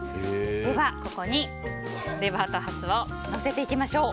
では、ここにレバーとハツをのせていきましょう。